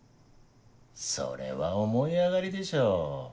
それは思い上がりでしょ。